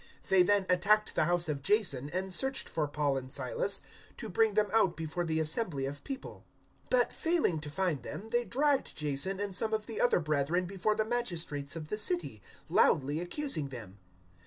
They then attacked the house of Jason and searched for Paul and Silas, to bring them out before the assembly of people. 017:006 But, failing to find them, they dragged Jason and some of the other brethren before the magistrates of the city, loudly accusing them.